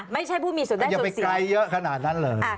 ไม่ใช่ผู้มีส่วนได้ส่วนเสียอย่าไปไกลเยอะขนาดนั้นเลย